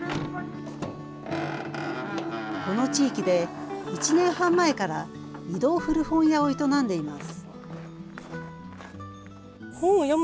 この地域で１年半前から移動古本屋を営んでいます。